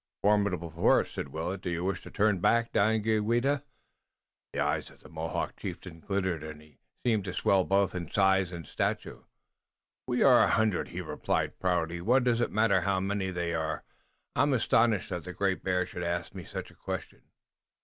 "A formidable force," said Willet. "Do you wish to turn back, Daganoweda?" The eyes of the Mohawk chieftain glittered and he seemed to swell both in size and stature. "We are a hundred," he replied proudly. "What does it matter how many they are? I am astonished that the Great Bear should ask me such a question."